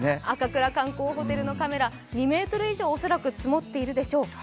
赤倉観光ホテルのカメラ、２ｍ以上、恐らく積もっているでしょう。